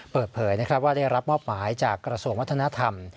เปิดเผยว่าได้รับมอบหมายจากกระทรวงวัฒนธรรม